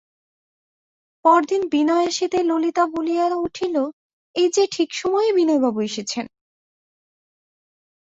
পরদিন বিনয় আসিতেই ললিতা বলিয়া উঠিল, এই-যে ঠিক সময়েই বিনয়বাবু এসেছেন।